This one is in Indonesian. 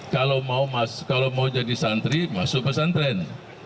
kalau mau jadi santri masuk pesantren